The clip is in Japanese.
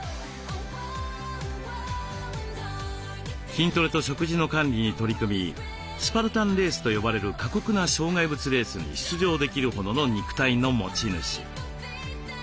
筋トレと食事の管理に取り組みスパルタンレースと呼ばれる過酷な障害物レースに出場できるほどの肉体の持ち主。